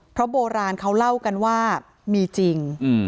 เพราะโบราณเขาเล่ากันว่ามีจริง